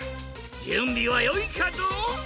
じゅんびはよいかドン？